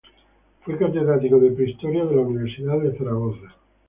Fue catedrático de Prehistoria de la Universidad de Zaragoza.